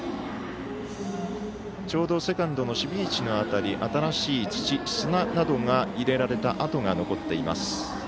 ちょうどセカンドの守備位置の辺り新しい土、砂などが入れられた跡が残っています。